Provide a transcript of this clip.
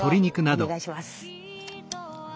お願いします。